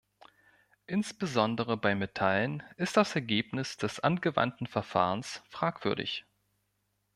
Insbesondere bei Metallen ist das Ergebnis des angewandten Verfahrens fragwürdig.